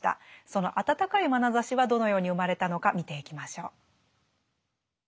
その温かいまなざしはどのように生まれたのか見ていきましょう。